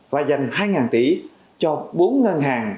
và dành hai tỷ cho bốn ngân hàng